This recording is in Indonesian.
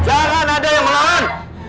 jangan ada yang melawan